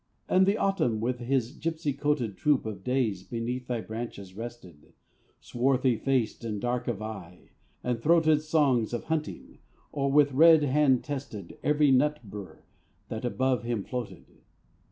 And the Autumn with his gipsy coated Troop of days beneath thy branches rested, Swarthy faced and dark of eye; and throated Songs of hunting; or with red hand tested Every nut bur that above him floated.